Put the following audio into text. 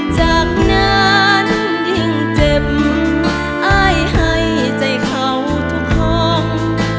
จากนั้นยิ่งเจ็บอ้ายให้ใจเขาทุกห้อง